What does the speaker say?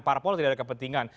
parpol tidak ada kepentingan